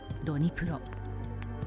ドニプロ。